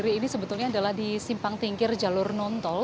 ini sebetulnya adalah di simpang tingkir jalur non tol